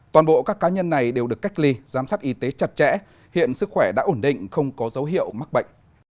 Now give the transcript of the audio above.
toàn bộ các cá nhân này đều được cách ly giám sát y tế chặt chẽ hiện sức khỏe đã ổn định không có dấu hiệu mắc bệnh